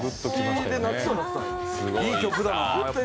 いい曲だ。